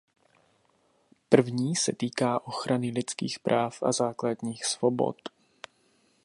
První se týká ochrany lidských práv a základních svobod.